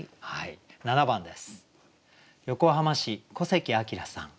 ７番です。